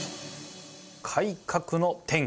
「改革の転機」